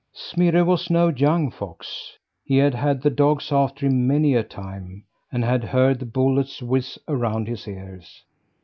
Smirre was no young fox. He had had the dogs after him many a time, and had heard the bullets whizz around his ears.